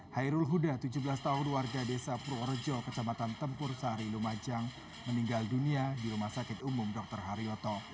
hairul huda tujuh belas tahun warga desa purworejo kecamatan tempur sari lumajang meninggal dunia di rumah sakit umum dr haryoto